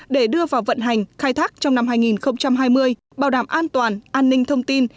để đưa vào vận hành khai thác trong năm hai nghìn hai mươi bảo đảm an toàn an ninh thông tin